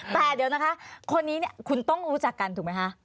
แต่เดี๋ยวนะคะคนนี้เนี่ยคุณต้องรู้จักกันถูกไหมคะ